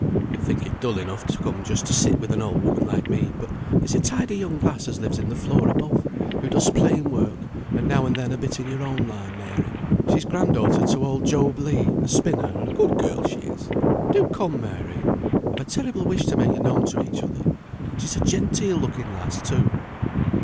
"You'll think it dull enough to come just to sit with an old woman like me, but there's a tidy young lass as lives in the floor above, who does plain work, and now and then a bit in your own line, Mary; she's grand daughter to old Job Legh, a spinner, and a good girl she is. Do come, Mary! I've a terrible wish to make you known to each other. She's a genteel looking lass, too."